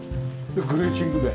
グレーチングで。